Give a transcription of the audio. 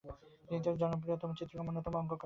তিনি তার জনপ্রিয়তম চিত্রকর্মের অন্যতম অঙ্কন করেন।